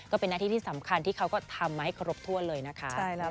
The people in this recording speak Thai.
ก็เป็นหน้าที่ที่สำคัญที่เขาก็ทำมาให้ครบถ้วนเลยนะคะ